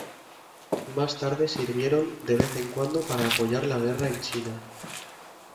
Más tarde sirvieron de vez en cuando para apoyar la guerra en China.